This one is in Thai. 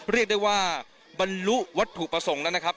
เรียกได้ว่าบรรลุวัตถุประสงค์แล้วนะครับ